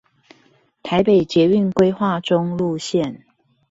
台北捷運規劃中路線